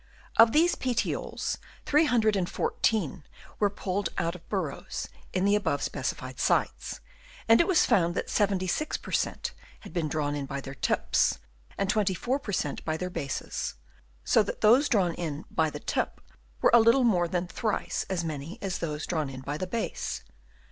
Of these petioles, 314 were pulled out of burrows in the above specified sites ; and it was found that 76 per cent, had been drawn in by their tips, and 24 per cent, by their bases ; so that those drawn in by the tip were a little more than thrice as many as those drawn in by the base.